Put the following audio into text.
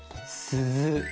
鈴？